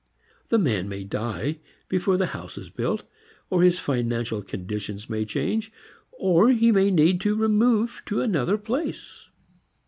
The man may die before the house is built, or his financial conditions may change, or he may need to remove to another place.